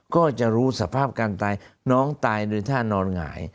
ก็จะรู้สภาพการตายน้องตายโดยท่านอนหงาย